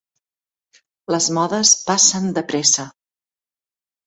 Les modes passen de pressa.